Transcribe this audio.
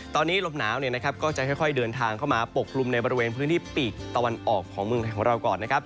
ตอนนี้ลมหนาวก็จะค่อยเดินทางเข้ามาปกกลุ่มในบริเวณพื้นที่ปีกตะวันออกของเมืองไทยของเราก่อนนะครับ